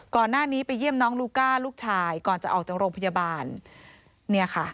ก่อนหน้านี้ไปเยี่ยมน้องลูก้าลูกชายก่อนจะออกจากโรงพยาบาลเนี่ยค่ะ